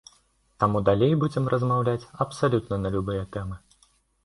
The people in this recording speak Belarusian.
Таму далей будзем размаўляць абсалютна на любыя тэмы.